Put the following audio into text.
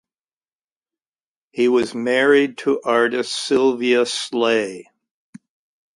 He was married to artist Sylvia Sleigh.